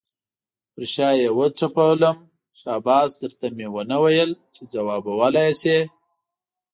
پر شا یې وټپلم، شاباس در ته مې نه ویل چې ځوابولی یې شې.